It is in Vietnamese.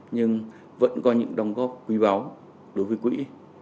nhưng vẫn có những đồng góp quý báu đối với quỹ